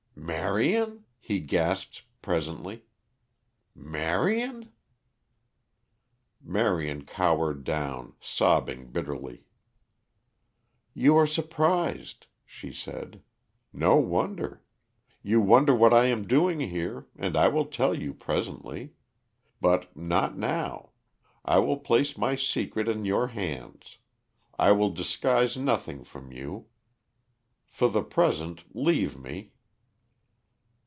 "Marion?" he gasped presently. "Marion?" Marion cowered down, sobbing bitterly. "You are surprised," she said. "No wonder. You wonder what I am doing here and I will tell you presently. But not now; I will place my secret in your hands; I will disguise nothing from you. For the present leave me."